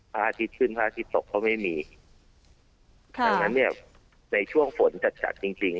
อาทิตยขึ้นพระอาทิตย์ตกก็ไม่มีค่ะดังนั้นเนี่ยในช่วงฝนจัดจัดจริงจริง